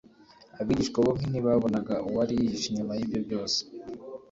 abigishwa bo ntibabonaga uwari yihishe inyuma y’ibyo byose